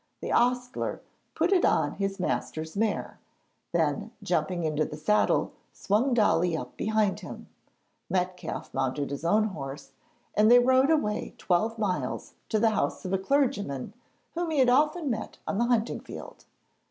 The ostler put it on his master's mare, then jumping into the saddle, swung Dolly up behind him. Metcalfe mounted his own horse, and they rode away twelve miles to the house of a clergyman whom he had often met on the hunting field.